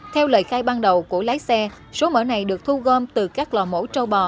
theo lời khai ban đầu của lái xe số mỡ này được thu gom từ các lò mổ trâu bò